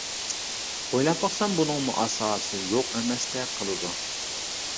ئويلاپ باقسام بۇنىڭمۇ ئاساسى يوق ئەمەستەك قىلىدۇ.